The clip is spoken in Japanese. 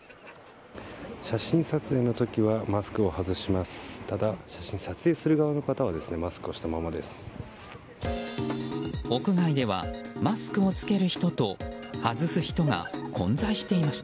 写真撮影の時はマスクを外します。